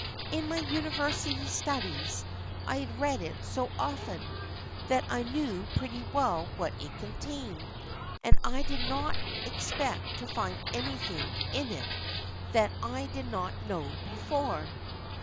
In my university studies, I had read it so often, that I knew pretty well what it contained, and I did not expect to find anything in it that I did not know before.